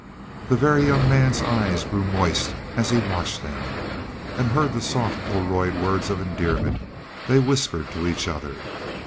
The Very Young Man's eyes grew moist as he watched them, and heard the soft Oroid words of endearment they whispered to each other.